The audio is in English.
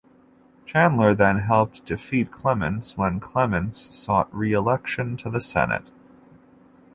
Chandler then helped defeat Clements when Clements sought re-election to the Senate.